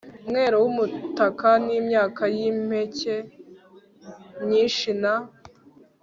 mwero w ubutaka N imyaka y impeke myinshi Na